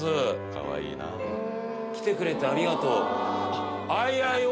かわいいな「きてくれてありがとう」あっ「ＩＩＯ」！